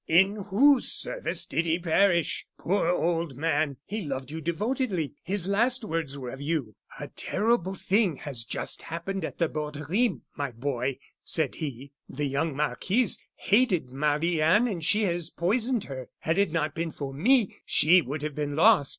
In whose service did he perish? Poor old man! he loved you devotedly. His last words were of you. 'A terrible thing has just happened at the Borderie, my boy,' said he. 'The young marquise hated Marie Anne, and she has poisoned her. Had it not been for me she would have been lost.